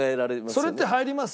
それって入ります？